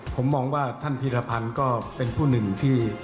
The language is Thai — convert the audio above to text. ผมมองว่าท่านพีรพันธ์ก็เป็นผู้หนึ่งที่